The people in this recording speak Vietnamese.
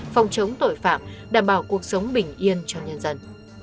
phòng chống tội phạm đảm bảo cuộc sống bình yên cho nhân dân